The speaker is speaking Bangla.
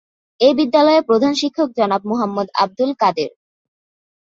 এ বিদ্যালয়ের প্রধান শিক্ষক জনাব মোহাম্মদ আবদুল কাদের।